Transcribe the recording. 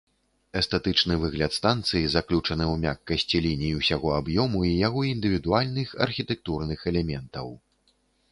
Эстэтычны выгляд станцыі заключаны ў мяккасці ліній усяго аб'ёму і яго індывідуальных архітэктурных элементаў.